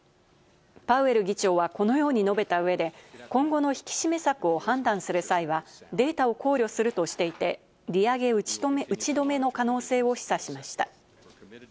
パウエル議長はこのように述べた上で、今後の引き締め策を判断する際はデータを考慮するとしていて、利上げ打ち止めの可能性を示唆しました。